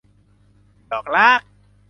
ดอกรัก